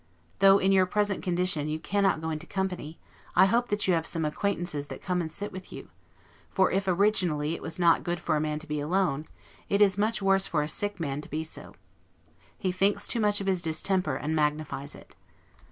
Though, in your present condition, you cannot go into company, I hope that you have some acquaintances that come and sit with you; for if originally it was not good for man to be alone, it is much worse for a sick man to be so; he thinks too much of his distemper, and magnifies it.